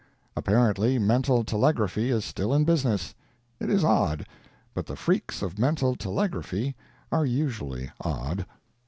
Apparently mental telegraphy is still in business. It is odd; but the freaks of mental telegraphy are usually odd.